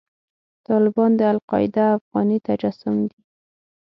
طالبان د القاعده افغاني تجسم دی.